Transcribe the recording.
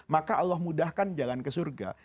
maka allah mudahkan jalan ke surga